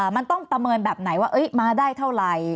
มันต้องประเมินแบบไหนว่ามาได้เท่าไหร่